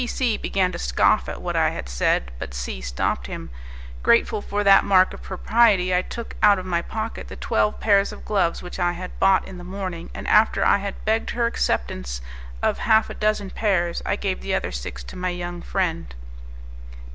P C began to scoff at what I had said, but C stopped him. Grateful for that mark of propriety, I took out of my pocket the twelve pairs of gloves which I had bought in the morning, and after I had begged her acceptance of half a dozen pairs I gave the other six to my young friend.